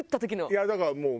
いやだからもう。